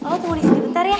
lo tunggu disini bentar ya